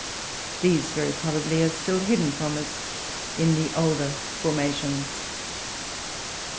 These, very probably, are still hidden from us in the older formations.